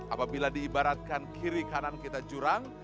apabila diibaratkan kiri kanan kita jurang